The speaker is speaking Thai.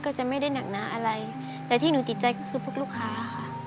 ก็จะไม่ได้หนักหนาอะไรแต่ที่หนูติดใจก็คือพวกลูกค้าค่ะ